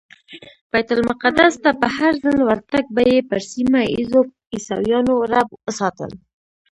بیت المقدس ته په هرځل ورتګ به یې پر سیمه ایزو عیسویانو رعب ساتل.